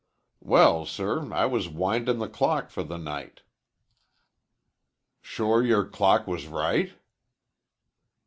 "Well, sir, I was windin' the clock for the night." "Sure your clock was right?"